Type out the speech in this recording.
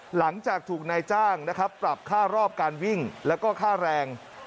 หลังจากถูกนายจ้างนะครับปรับค่ารอบการวิ่งแล้วก็ค่าแรง